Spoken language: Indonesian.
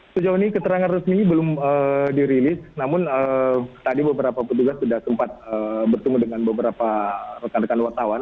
sejauh ini keterangan resmi belum dirilis namun tadi beberapa petugas sudah sempat bertemu dengan beberapa rekan rekan wartawan